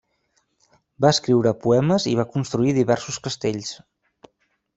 Va escriure poemes i va construir diversos castells.